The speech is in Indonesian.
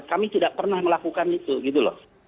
kami tidak pernah melakukan itu gitu loh